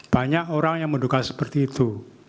banyak orang yang menduga seperti itu